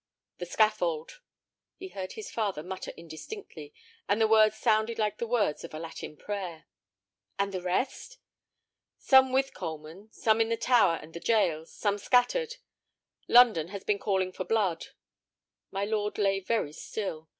"The scaffold." He heard his father mutter indistinctly, and the words sounded like the words of a Latin prayer. "And the rest?" "Some with Coleman, some in the Tower and the jails, some scattered. London has been calling for blood." My lord lay very still.